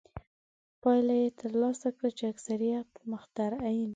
پایله یې ترلاسه کړه چې اکثریت مخترعین.